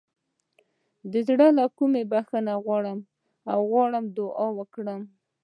د زړه له کومې بخښنه وغواړو او دعا وکړو.